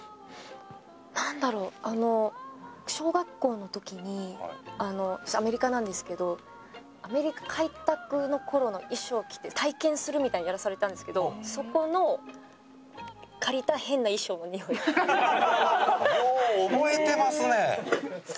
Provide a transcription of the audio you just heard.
なんだろう？小学校の時に私アメリカなんですけどアメリカ開拓の頃の衣装を着て体験するみたいなのやらされたんですけどそこの借りたよう覚えてますね。